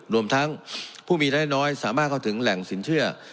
รวมทั้งผู้มีรายได้น้อยสามารถเข้าถึงแหล่งสินเชื่อ